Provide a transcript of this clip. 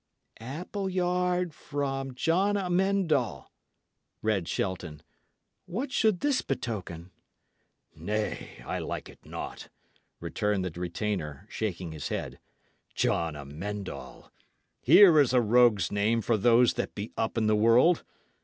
"'Appulyaird fro Jon Amend All,'" read Shelton. "What should this betoken?" "Nay, I like it not," returned the retainer, shaking his head. "John Amend All! Here is a rogue's name for those that be up in the world!